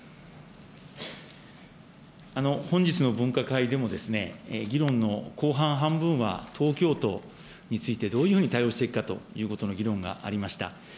本日の分科会でも、議論の後半半分は東京都についてどういうふうに対応していくかということの議論がありました。